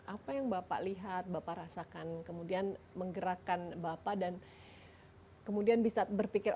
apa yang bapak lihat bapak rasakan kemudian menggerakkan bapak dan kemudian bisa berpikir